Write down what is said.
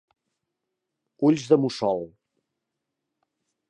Ulls de mussol.